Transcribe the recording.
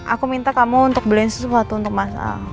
aku minta kamu untuk beliin sesuatu untuk masalah